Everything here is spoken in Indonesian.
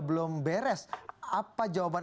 belum beres apa jawaban